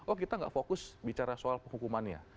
oh kita gak fokus bicara soal penghukumannya